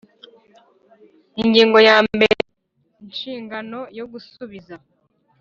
Ingingo ya mbere Inshingano yo gusubiza